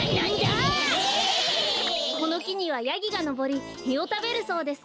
このきにはヤギがのぼりみをたべるそうです。